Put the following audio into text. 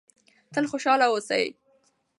تل خوشحاله اوسئ.